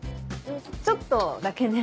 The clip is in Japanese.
ちょっとだけね。